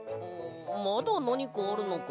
まだなにかあるのか？